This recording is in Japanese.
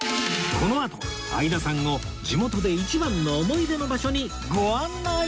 このあと相田さんを地元で一番の思い出の場所にご案内！